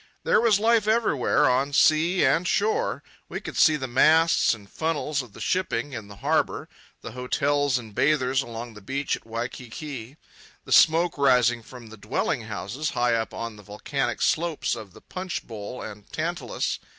There was life everywhere, on sea and shore. We could see the masts and funnels of the shipping in the harbour, the hotels and bathers along the beach at Waikiki, the smoke rising from the dwelling houses high up on the volcanic slopes of the Punch Bowl and Tantalus.